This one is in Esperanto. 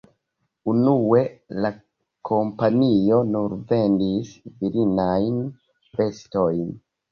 Unue la kompanio nur vendis virinajn vestojn.